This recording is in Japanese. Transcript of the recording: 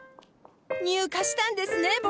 入荷したんですね